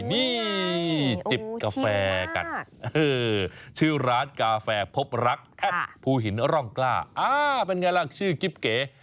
นี่จิบกาแฟกันชื่อร้านกาแฟพบรักแอดภูหินร่องกล้าเป็นไงล่ะชื่อกิ๊บเก๋